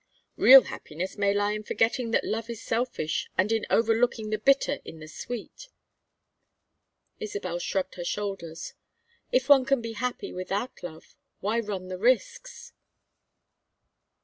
"Real happiness may lie in forgetting that love is selfish, and in overlooking the bitter in the sweet." Isabel shrugged her shoulders. "If one can be happy without love why run the risks?"